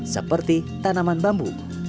seperti tanaman bambu